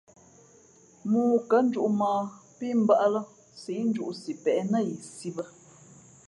Mōō kα̌ njūʼ mᾱ ā pí mbᾱʼ ā lά sǐʼ njūʼ sipěʼ nά yi sī bᾱ.